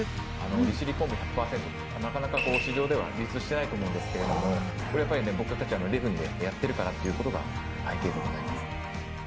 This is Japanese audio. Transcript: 利尻昆布１００％ってなかなか市場では流通してないと思うんですけれどもこれはやっぱり僕たち礼文でやってるからっていうことが背景でございます。